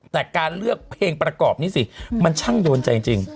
แต่การเลือกเพลงประกอบนี้สิมันช่างโดนใจจริง